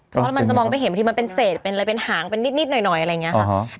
เพราะมันจะมองไม่เห็นบางทีมันเป็นเศษเป็นอะไรเป็นหางเป็นนิดหน่อยอะไรอย่างนี้ค่ะ